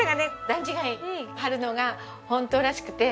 段違いに張るのがホントらしくて。